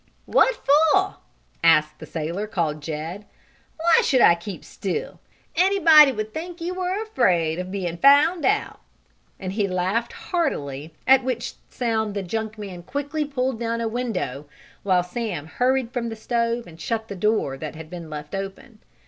"What for?" asked the sailor called Jed. "Why should I keep still? Anybody would think you were afraid of being found out!" And he laughed heartily, at which sound the junk man quickly pulled down a window while Sam hurried from the stove and shut the door that had been left open.